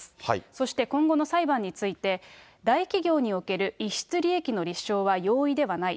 そして今後の裁判について、大企業における逸失利益の立証は用意ではない。